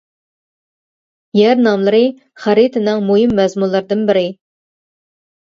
يەر ناملىرى خەرىتىنىڭ مۇھىم مەزمۇنلىرىدىن بىرى.